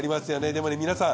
でもね皆さん。